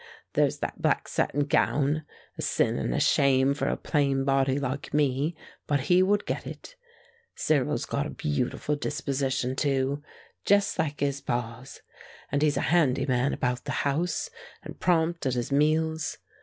There's that black satin gown, a sin and a shame for a plain body like me, but he would git it. Cyril's got a beautiful disposition too, jest like his pa's, and he's a handy man about the house, and prompt at his meals.